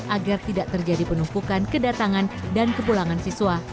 agar tidak terjadi penumpukan kedatangan dan kepulangan siswa